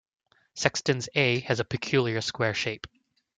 Sextans A has a peculiar square shape.